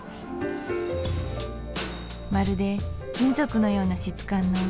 まるで金属のような質感の朧